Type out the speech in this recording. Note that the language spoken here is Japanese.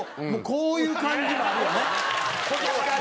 こういう感じもあるよね。